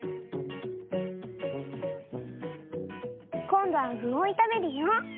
こんどは具をいためるよ。